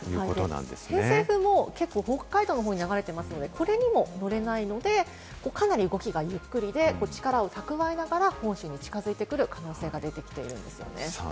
偏西風も北海道の方に流れているので、これにも乗れないので、かなり動きがゆっくりで力を蓄えながら本州に近づいてくる可能性があるんですね。